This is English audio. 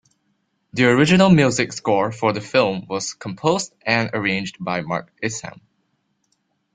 The original music score for the film was composed and arranged by Mark Isham.